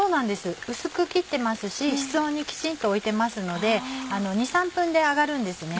薄く切ってますし室温にきちんと置いてますので２３分で揚がるんですね。